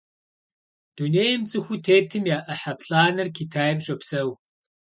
Дунейм цӀыхуу тетым я Ӏыхьэ плӀанэр Китайм щопсэу.